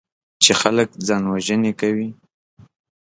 چې خلک ځانوژنې کوي.